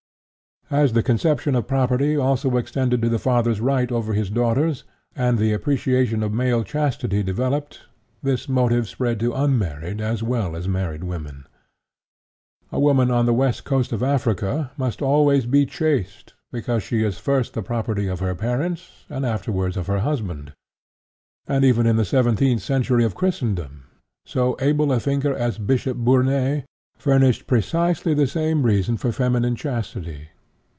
As the conception of property also extended to the father's right over his daughters, and the appreciation of female chastity developed, this motive spread to unmarried as well as married women. A woman on the west coast of Africa must always be chaste because she is first the property of her parents and afterwards of her husband, and even in the seventeenth century of Christendom so able a thinker as Bishop Burnet furnished precisely the same reason for feminine chastity.